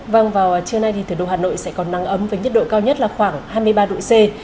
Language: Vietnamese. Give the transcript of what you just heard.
vâng vào chiều nay thì thời độ hà nội sẽ còn nắng ấm với nhất độ cao nhất là khoảng hai mươi ba độ c